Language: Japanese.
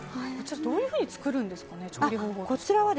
どういうふうに作るんですか調理方法は。